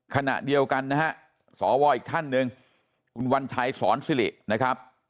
ขณะเดียวกันนะฮะสวอีกท่านหนึ่งคุณวัญชัยสอนสิรินะครับ